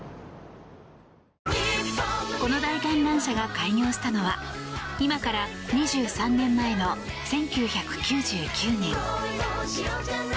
この大観覧車が開業したのは今から２３年前の１９９９年。